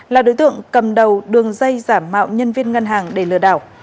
là đối tượng cầm đầu đường dây giả mạo nhân viên ngân hàng để lừa đảo